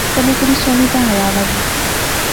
کنے کڑی سوہنی تے حیا والی